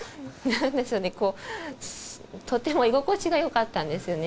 何でしょうねとても居心地がよかったんですよね